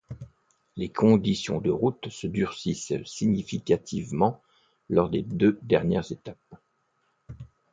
Les conditions de route se durcissent significativement lors des deux dernières étapes.